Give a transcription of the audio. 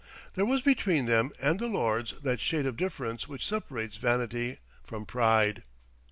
There was between them and the Lords that shade of difference which separates vanity from pride.